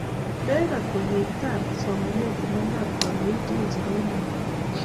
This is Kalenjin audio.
Mekat kukitar somanetab imanda kandoik tugul chebo imanda